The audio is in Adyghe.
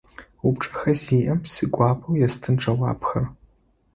Упчӏэхэ зиӏэм сигуапэу естын джэуапхэр.